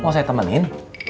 mau saya temenin